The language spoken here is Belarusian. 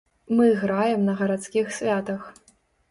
Мы граем на гарадскіх святах.